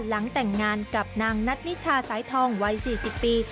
หลังแต่งงานกับนางนัทนิชาสายทองวัย๔๐ปี